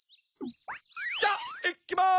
じゃいっきます